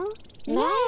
ねえ！